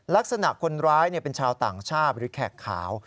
ลักษณะคนร้ายเป็นชาวต่างชาติหรือแขกขาว